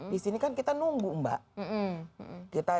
di sini kan kita nunggu mbak